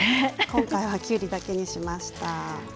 今回はきゅうりだけにしました。